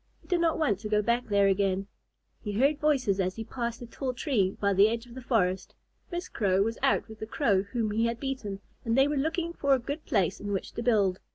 He did not want to go back there again. He heard voices as he passed a tall tree by the edge of the forest. Miss Crow was out with the Crow whom he had beaten, and they were looking for a good place in which to build.